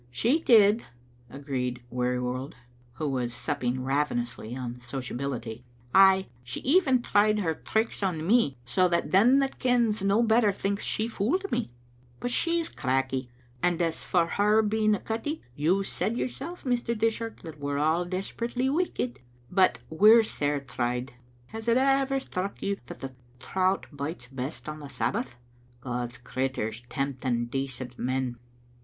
"' "She did," agreed Wearjrworld, who was supping ravenously on sociability ;" ay, she even tried her tricks on me, so that them that kens no better thinks she fooled me. But she's cracky. To gie her her due, she's cracky, and as for her being a cuttie, you've said yoursel, Mr. Dishart, that we're all desperately wicked. But we're sair tried. Has it ever struck you that the trouts bites best on the Sabbath? God's critturs tempt ing decent men.